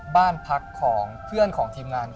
บ้านพักของเพื่อนของทีมงาน